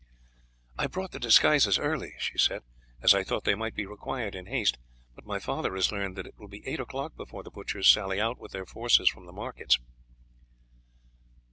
"I brought the disguises early," she said, "as I thought they might be required in haste, but my father has learned that it will be eight o'clock before the butchers sally out with their forces from the markets."